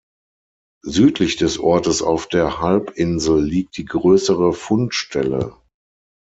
Südlich des Ortes auf der Halbinsel liegt die größere Fundstelle.